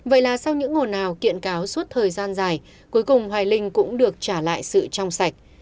vậy là sau những ngồn nào kiện cáo suốt thời gian dài cuối cùng hoài linh cũng được trả lại sự trong sạch